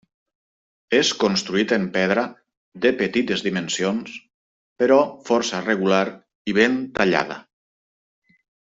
És construït en pedra de petites dimensions però força regular i ben tallada.